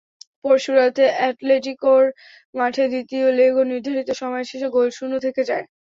পরশু রাতে অ্যাটলেটিকোর মাঠে দ্বিতীয় লেগও নির্ধারিত সময় শেষে গোলশূন্য থেকে যায়।